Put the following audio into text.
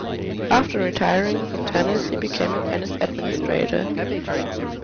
After retiring from tennis, he became a tennis administrator.